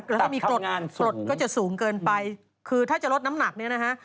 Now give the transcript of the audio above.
ตับทำงานสูงก็จะสูงเกินไปคือถ้าจะลดน้ำหนักนี่นะฮะ